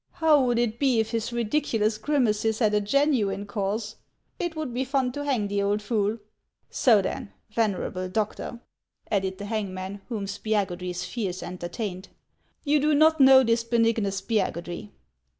How would it be if his ridiculous grimaces had a genuine cause ? It would be fuu to hang the old fool. So then, venerable doctor," added the hangman, whom Spiagudry's fears entertained, " you do not know this Benignus Spiagudry